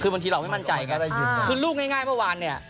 คือบางทีเราไม่มั่นใจก็ได้ยินคือลูกง่ายเมื่อวานเนี่ย